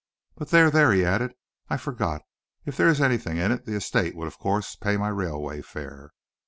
But there, there!" he added. "I forgot! If there is anything in it, the estate would, of course, pay my railway fare.